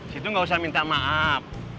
situ nggak usah minta maaf